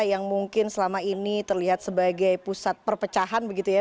yang mungkin selama ini terlihat sebagai pusat perpecahan begitu ya